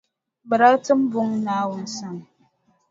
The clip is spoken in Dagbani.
Bɛ daa tim buŋa Naawuni sani.